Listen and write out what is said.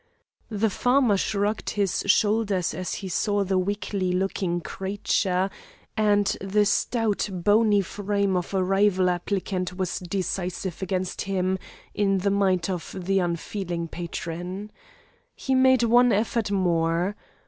The farmer shrugged his shoulders as he saw the weakly looking creature, and the stout bony frame of a rival applicant was decisive against him in the mind of the unfeeling patron. He made one effort more.